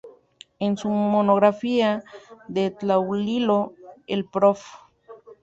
En su "Monografía de Tlahualilo", el Prof.